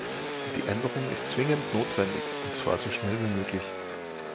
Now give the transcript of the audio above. Die Änderung ist zwingend notwendig, und zwar so schnell wie möglich.